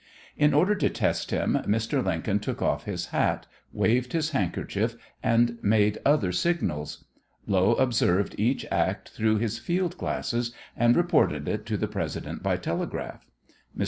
In order to test him, Mr. Lincoln took off his hat, waved his handkerchief, and made other signals. Lowe observed each act through his field glasses and reported it to the President by telegraph. Mr.